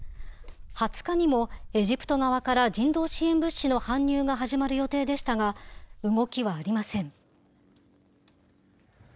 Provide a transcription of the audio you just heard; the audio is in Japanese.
２０日にもエジプト側から人道支援物資の搬入が始まる予定でしたが、動きはありません。